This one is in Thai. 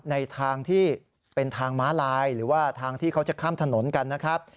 ในทางที่เป็นทางม้าลายหรือว่าทางที่เขาจะข้ามถนนกันนะครับ